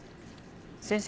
先生